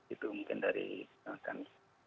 itu mungkin dari kami